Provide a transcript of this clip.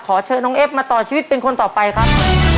ขอเชิญน้องเอฟมาต่อชีวิตเป็นคนต่อไปครับ